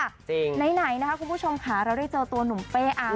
คุณผู้ชมค่ะเราได้เจอตัวหนุ่มเป๊อารัก